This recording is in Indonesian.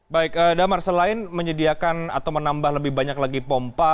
baik damar selain menyediakan atau menambah lebih banyak lagi pompa